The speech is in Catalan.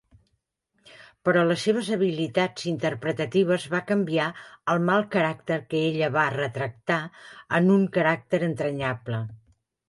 Però les seves habilitats interpretatives va canviar el "mal" caràcter que ella va retractar en un caràcter entranyable.